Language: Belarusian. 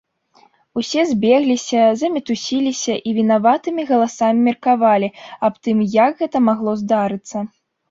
Усе збегліся, замітусіліся і вінаватымі галасамі меркавалі аб тым, як гэта магло здарыцца.